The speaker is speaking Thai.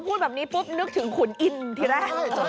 พูดแบบนี้ปุ๊บนึกถึงขุนอินทีแรก